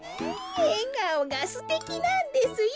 えがおがすてきなんですよ。